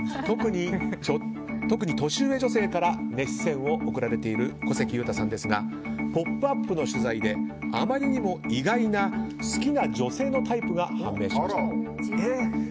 特に年上女性から熱視線を送られている小関裕太さんですが「ポップＵＰ！」の取材であまりにも意外な好きな女性のタイプが判明しました。